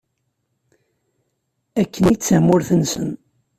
Akken i d tamurt-nsen.